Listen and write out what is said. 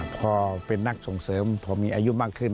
พอเป็นนักส่งเสริมพอมีอายุมากขึ้น